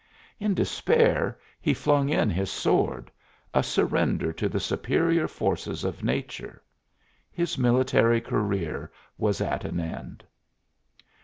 In despair he flung in his sword a surrender to the superior forces of nature. His military career was at an end.